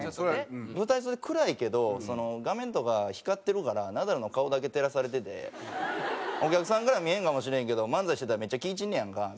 「舞台袖暗いけど画面とか光ってるからナダルの顔だけ照らされててお客さんからは見えへんかもしれんけど漫才してたらめっちゃ気ぃ散んねやんか」。